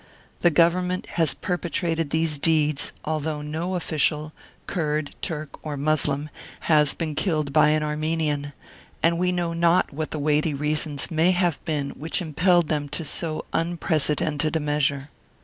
The Government has perpetrated these Martyred Armenia 29 deeds although no official, Kurd, Turk, or Moslem, has been killed by an Armenian, and we know not what the weighty reasons may have been which impelled them to so unprecedented a measure.